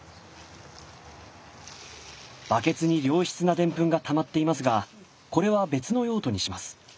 バケツに良質なデンプンがたまっていますがこれは別の用途にします。